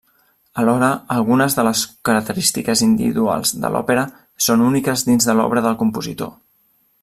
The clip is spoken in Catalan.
Alhora, algunes de les característiques individuals de l'òpera són úniques dins de l'obra del compositor.